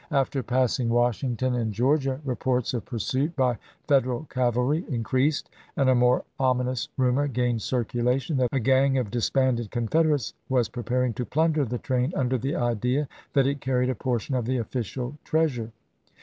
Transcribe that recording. After passing Washington, in Georgia, reports of pursuit by Federal cavalry increased, and a more ominous rumor gained circulation that a gang of disbanded Confederates was preparing to plunder the train under the idea that it carried a portion of the official treasure.